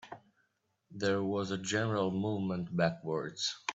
There was a general movement backwards.